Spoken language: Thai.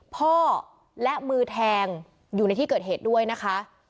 พ่อและมือแทงอยู่ในที่เกิดเหตุด้วยนะคะ